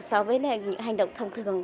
so với những hành động thông thường